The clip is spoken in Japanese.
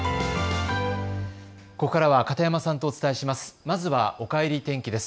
ここからは片山さんとお伝えします。